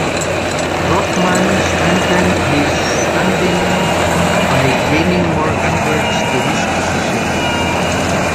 Rothmann strengthened his standing by gaining more converts to his position.